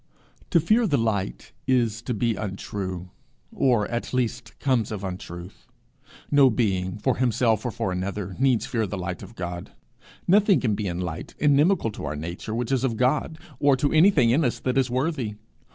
To fear the light is to be untrue, or at least it comes of untruth. No being, for himself or for another, needs fear the light of God. Nothing can be in light inimical to our nature, which is of God, or to anything in us that is worthy.